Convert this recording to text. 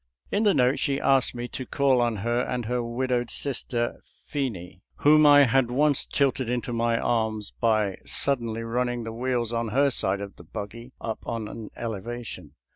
In the note she asked me to call on her and her widowed sister, Pheny, whom I had once tilted into my arms by suddenly running the wheels on her side of the buggy up on to an elevation.